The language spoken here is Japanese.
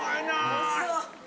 ・おいしそう！